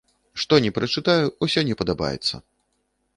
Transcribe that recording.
Што ні прачытаю, усё не падабаецца.